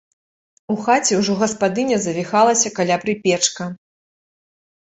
У хаце ўжо гаспадыня завіхалася каля прыпечка.